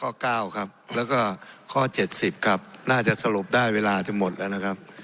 ข้อ๙ครับแล้วก็ข้อ๗๐ครับน่าจะสรุปได้เวลาจะหมดแล้วนะครับ